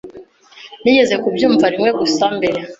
Nigeze kubyumva rimwe gusa mbere.